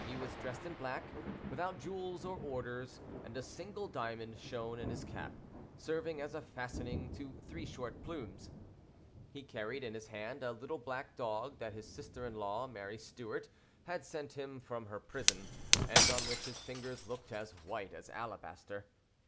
He was dressed in black, without jewels or orders, and a single diamond shone in his cap, serving as a fastening to three short plumes. He carried in his hand a little black dog that his sister in law Marie Stuart had sent him from her prison, and on which his fingers looked as white as alabaster.